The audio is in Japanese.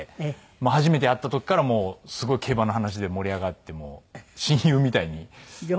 初めて会った時からもうすごい競馬の話で盛り上がってもう親友みたいに。